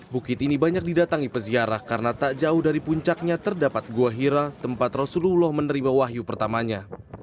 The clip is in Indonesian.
bukit ini banyak didatangi peziarah karena tak jauh dari puncaknya terdapat gua hira tempat rasulullah menerima wahyu pertamanya